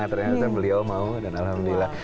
ternyata beliau mau dan alhamdulillah